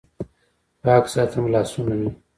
پاک ساتم لاسونه مې